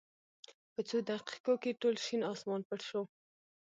په څو دقېقو کې ټول شین اسمان پټ شو.